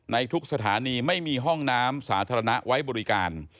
ในทุกสถานีไม่มีห้องน้ำสาธารณะไว้บริการ